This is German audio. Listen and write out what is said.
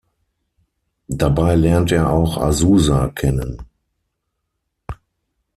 Dabei lernt er auch Azusa kennen.